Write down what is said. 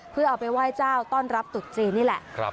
เพื่อเอาไปไหว้เจ้าต้อนรับตุดจีนนี่แหละ